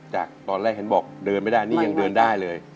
จากตอนแรกเห็นบอกเดินไม่ได้นี่ยังเดินได้เลย